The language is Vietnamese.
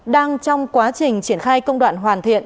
đang trong quá trình triển khai công đoạn hoàn thiện